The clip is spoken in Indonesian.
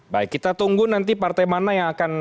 baik kita tunggu nanti partai mana yang akan